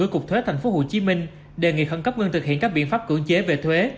của cục thuế tp hcm đề nghị khẩn cấp ngưng thực hiện các biện pháp cưỡng chế về thuế